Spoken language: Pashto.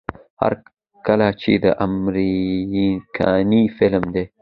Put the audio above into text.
هر کله چې دا امريکنے فلم دے